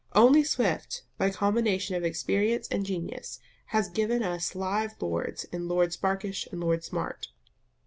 Only Swift, by combination of experience and genius, has given us live lords in Lord Sparkish and Lord Smart.